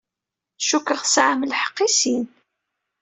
Cukkeɣ tesɛam lḥeqq i sin.